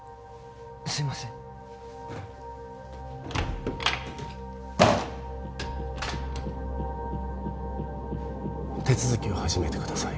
すいません手続きを始めてください